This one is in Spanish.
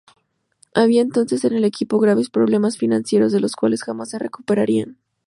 Había entonces en el equipo graves problemas financieros de los cuales jamás se recuperarían.